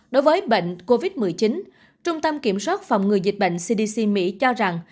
đối với bệnh covid một mươi chín trung tâm kiểm soát phòng ngừa dịch bệnh cdc mỹ cho rằng